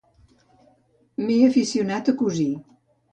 M'he aficionat a cosir.